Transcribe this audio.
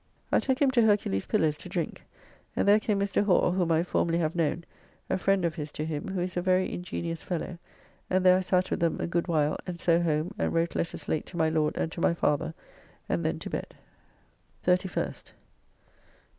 I took him to Hercules Pillars to drink, and there came Mr. Whore (whom I formerly have known), a friend of his to him, who is a very ingenious fellow, and there I sat with them a good while, and so home and wrote letters late to my Lord and to my father, and then to bed. 31st.